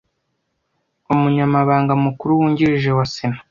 Umunyamabanga Mukuru Wungirije wa Sena